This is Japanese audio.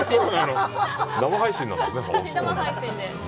生配信なんですね。